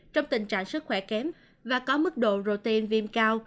trong tình trạng sức khỏe kém và có mức độ rote viêm cao